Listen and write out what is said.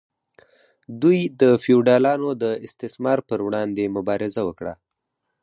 دوی د فیوډالانو د استثمار پر وړاندې مبارزه وکړه.